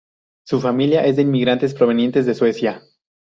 Su familia es de inmigrantes provenientes de Suecia.